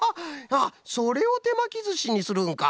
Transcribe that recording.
あっそれをてまきずしにするんか。